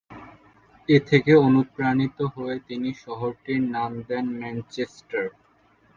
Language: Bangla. এ থেকে অনুপ্রাণিত হয়ে তিনি শহরটির নাম দেন ম্যানচেস্টার।